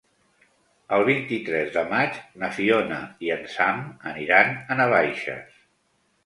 El vint-i-tres de maig na Fiona i en Sam aniran a Navaixes.